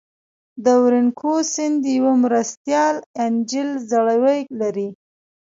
د اورینوکو سیند یوه مرستیال انجیل ځړوی لري.